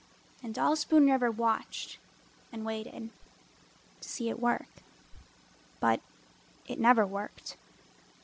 And all Spoon River watched and waited To see it work, but it never worked.